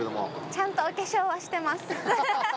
ちゃんとお化粧はしてます。